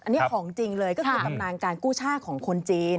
อันนี้ของจริงเลยก็คือตำนานการกู้ชาติของคนจีน